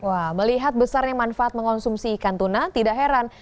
wah melihat besarnya manfaat mengonsumsi ikan tuna tidak heran